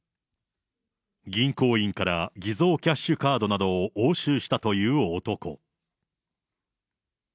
銀行員から偽造キャッシュカードなどを押収したという男。